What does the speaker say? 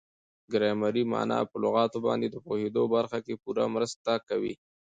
ګرامري مانا په لغاتو باندي د پوهېدو په برخه کښي پوره مرسته کوي.